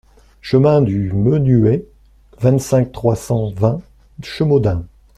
Chemin du Menuey, vingt-cinq, trois cent vingt Chemaudin